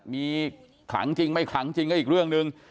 มีขลังจริงไม่ขลังจริงก็อีกเรื่องหนึ่ง